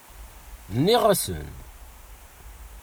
Nniɣ-asen!